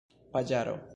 paĝaro